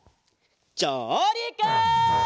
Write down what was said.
じょうりく！